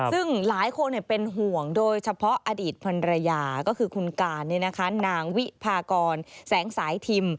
ซึ่งหลายคนเป็นห่วงโดยเฉพาะอดีตพันรยาก็คือคุณการนางวิพากรแสงสายทิม